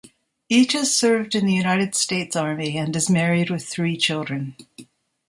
Each has served in the United States Army and is married with three children.